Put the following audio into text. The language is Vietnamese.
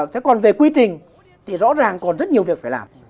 thế còn về quy trình thì rõ ràng còn rất nhiều việc phải làm